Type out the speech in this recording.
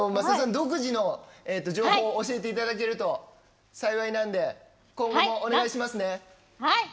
独自の情報を教えていただけると幸いなので今後もお願いしますね。